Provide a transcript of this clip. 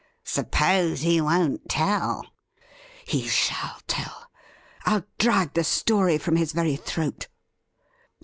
' Suppose he won't tell ?'' He shall tell. I'll drag the story from his very throat